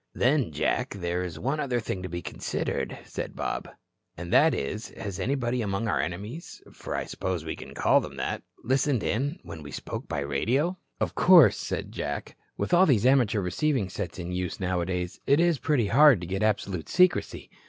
"Then, Jack, there is one other thing to be considered," said Bob. "And that is, has anybody among our enemies for I suppose we can call them that listened in when we spoke by radio?" "Of course," said Jack, "with all these amateur receiving sets in use nowadays it is pretty hard to get absolute secrecy.